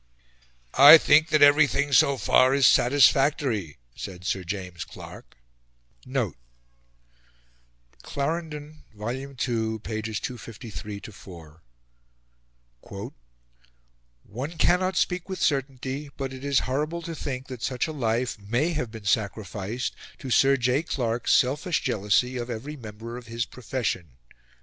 "I think that everything so far is satisfactory," said Sir James Clark.(*) (*) Clarendon, II, 253 4: "One cannot speak with certainty; but it is horrible to think that such a life MAY have been sacrificed to Sir J. Clark's selfish jealousy of every member of his profession."